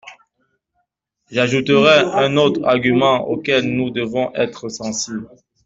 J’ajouterai un autre argument auquel nous devons être sensibles.